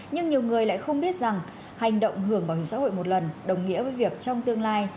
nhưng nhiều người lại không biết rằng hành động hưởng bảo hiểm xã hội một lần đồng nghĩa với việc trong tương lai